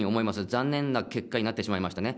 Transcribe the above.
残念な結果になってしまいましたね。